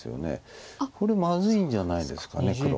これまずいんじゃないですか黒。